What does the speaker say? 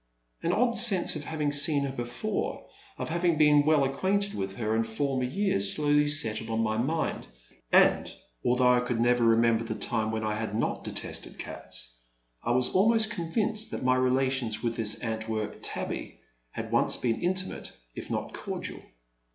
An odd sense of having seen her before — of having been well acquainted with her in former years slowly settled in my mind, and, although I cotild never remember the time when I had not detested cats, I was almost convinced that my relations with this Antwerp tabby had once been intimate if not cordial.